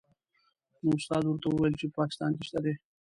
نو استاد ورته وویل چې په پاکستان کې شته دې.